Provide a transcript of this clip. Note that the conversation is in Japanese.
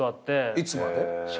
いつまで？